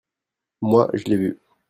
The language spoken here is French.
Moi, je l'ai vu.